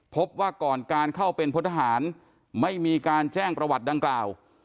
พบว่าก่อนการเข้าเป็นพลทหารไม่มีการแจ้งประวัติดังกล่าว